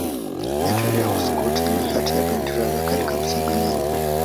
Bendera ya Uskoti ni kati ya bendera za kale kabisa duniani.